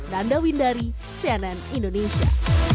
nanda windari cnn indonesia